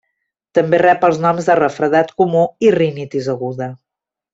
També rep els noms de refredat comú i rinitis aguda.